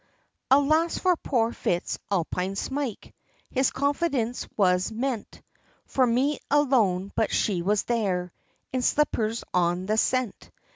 Alas! for poor Fitz Alpine Smyke, His confidence was meant For me alone, but she was there, In slippers, on the scent!